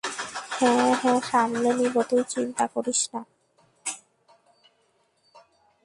হ্যাঁ, হ্যাঁ সামলে নিবো, তুই চিন্তা করিস না।